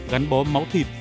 gắn bó máu thịt